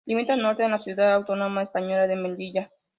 Limita al norte con la ciudad autónoma española de Melilla.